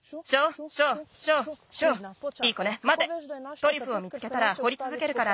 トリュフを見つけたらほりつづけるから。